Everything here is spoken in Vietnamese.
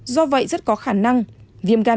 do vậy rất có khả năng viêm gan